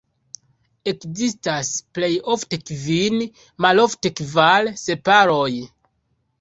Ekzistas plej ofte kvin, malofte kvar sepaloj.